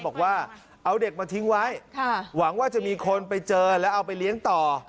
บอกว่าเอาเด็กมาทิ้งไว้หวังว่าจะมีคนไปเจอแล้วเอาไปเลี้ยงต่อ